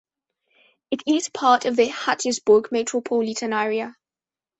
It is part of the Hattiesburg metropolitan area.